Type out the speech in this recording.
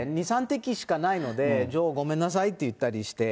２、３滴しかないので、女王、ごめんなさいって言ったりして。